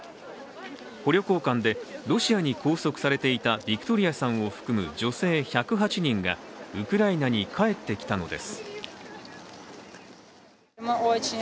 捕虜交換で、ロシアに拘束されていたビクトリアさんを含む女性１０８人がウクライナに帰ってきたのです。